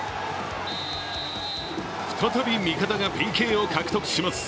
再び味方がＰＫを獲得します。